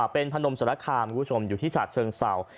เป็นพนมสรรคาที่อยู่ที่ชาติเชิงเศร้า